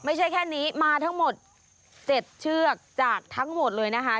ไม่ใช่แค่นี้มาทั้งหมด๗เชือกจากทั้งหมดเลยนะคะ